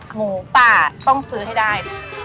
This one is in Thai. หมูป่าต้องซื้อให้ได้